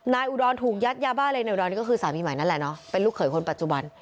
อุดรถูกยัดยาบ้าเลยในอุดรนี่ก็คือสามีใหม่นั่นแหละเนาะเป็นลูกเขยคนปัจจุบัน